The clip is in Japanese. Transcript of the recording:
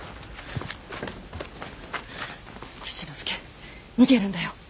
七之助逃げるんだよ。